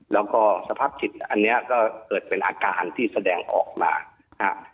แล้วก็สภาพจิตอันเนี้ยก็เกิดเป็นอาการที่แสดงออกมานะฮะ